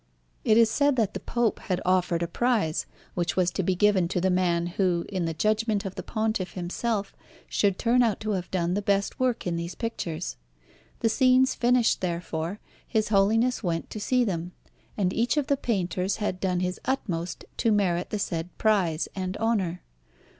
It is said that the Pope had offered a prize, which was to be given to the man who, in the judgment of the Pontiff himself, should turn out to have done the best work in these pictures. The scenes finished, therefore, His Holiness went to see them; and each of the painters had done his utmost to merit the said prize and honour.